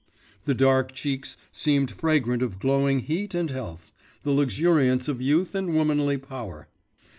The dark cheeks seemed fragrant of glowing heat and health, the luxuriance of youth and womanly power.